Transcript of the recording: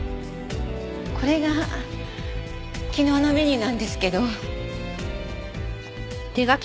これが昨日のメニューなんですけど。